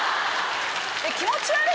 気持ち悪い？